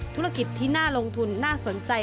ธุรกิจที่น่าลงทุนน่าสนใจ